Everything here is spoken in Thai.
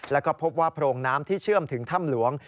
แล้วก็พบว่าโพรงน้ำที่เชื่อมถึงถ้ำหลวง